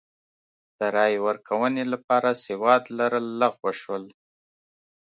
د رایې ورکونې لپاره سواد لرل لغوه شول.